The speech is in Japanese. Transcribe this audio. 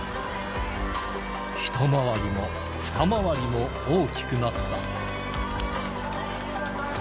一回りも、二回りも大きくなった。